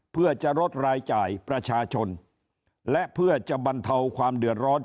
เพื่อจะลดรายจ่ายประชาชนและเพื่อจะบรรเทาความเดือดร้อน